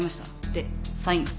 でサインを。